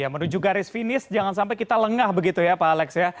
menuju garis finish jangan sampai kita lengah begitu ya pak alex ya